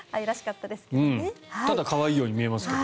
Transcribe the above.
ただ可愛いように見えますけど。